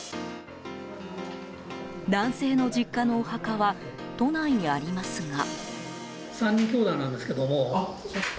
男性の実家のお墓は都内にありますが。